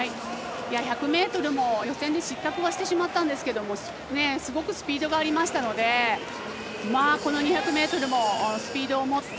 １００ｍも予選で失格してしまったんですがすごくスピードがありましたので２００ｍもスピードをもって。